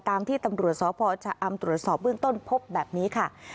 ตามที่ตำรวจสพชะอำตรวจสอบเบื้องต้นพบแบบนี้ค่ะ